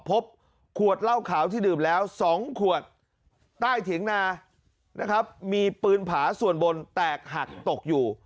พบขวดเหล้าขาวที่ดื่มแล้ว๒ขวดใต้เถียงนานะครับมีปืนผาส่วนบนแตกหักตกอยู่